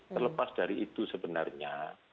terlepas dari itu sebenarnya